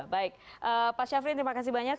baik pak syafrin terima kasih banyak